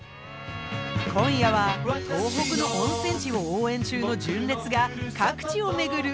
今夜は東北の温泉地を応援中の純烈が各地を巡る